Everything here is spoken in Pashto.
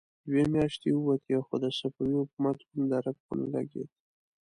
دوې مياشتې ووتې، خو د صفوي حکومت کوم درک ونه لګېد.